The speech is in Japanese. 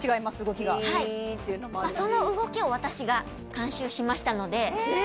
動きがはいその動きを私が監修しましたので・え